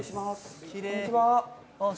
こんにちは